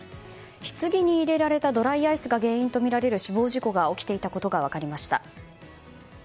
ひつぎに入れられたドライアイスが原因とみられる死亡事故が起きていたことが分かりました。